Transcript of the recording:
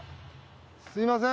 すみません。